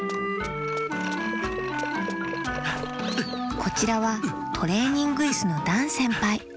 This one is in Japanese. こちらはトレーニングイスのダンせんぱい。